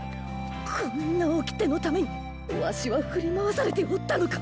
こんなおきてのためにわしは振り回されておったのか。